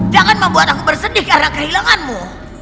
jangan membuat aku bersedih karena kehilanganmu